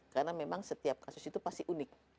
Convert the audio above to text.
karena memang setiap kasus itu pasti unik